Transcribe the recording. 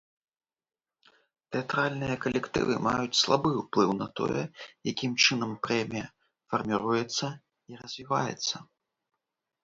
Тэатральныя калектывы маюць слабы ўплыў на тое, якім чынам прэмія фарміруецца і развіваецца.